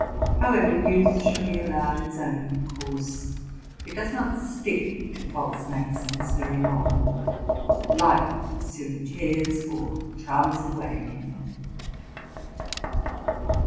However, youth should be allowed its own course: it does not stick to false maxims very long; life soon tears or charms it away again.